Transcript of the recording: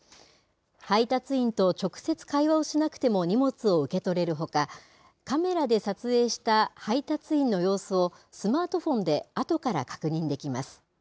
配達員と直接、会話をしなくても荷物を受け取れるほか、カメラで撮影した配達員の様子を、スマートフォンであとから確認できます。